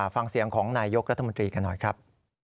ฟังเสียงของนายยกรัฐมนตรีกันหน่อยครับ